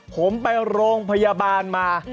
ผมไปโรงพยาบาลมา